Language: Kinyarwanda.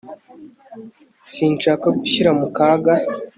Sinshaka gushyira mu kaga